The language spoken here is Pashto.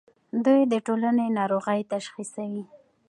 دوی د ټولنې ناروغۍ تشخیصوي.